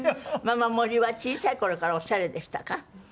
ママモリは小さい頃からオシャレでしたか？